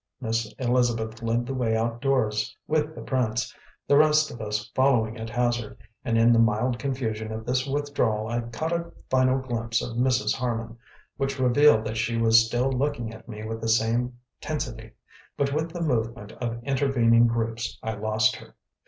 Miss Elizabeth led the way outdoors with the prince, the rest of us following at hazard, and in the mild confusion of this withdrawal I caught a final glimpse of Mrs. Harman, which revealed that she was still looking at me with the same tensity; but with the movement of intervening groups I lost her.